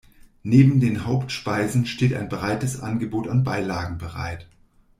Neben den Hauptspeisen steht ein breites Angebot an Beilagen bereit.